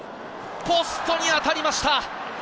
ポストに当たりました。